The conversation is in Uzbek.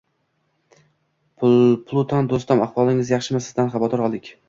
Pluton doʻstim, ahvolingiz yaxshimi? Sizdan xavotir oldik